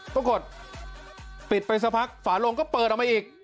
ปรากฏปิดไปสักพักฝาลงก็เปิดออกมาอีก